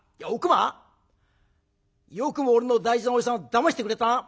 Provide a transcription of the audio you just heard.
まよくも俺の大事なおじさんをだましてくれたな！